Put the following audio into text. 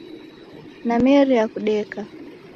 Nameria kudeka.